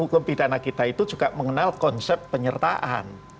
hukum pidana kita itu juga mengenal konsep penyertaan